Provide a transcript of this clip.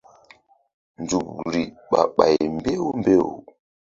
Nzukri ɓah ɓay mbew mbew.